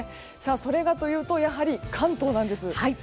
それがというとやはり関東なんです。